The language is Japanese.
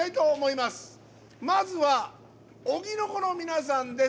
まずは、荻の子の皆さんです。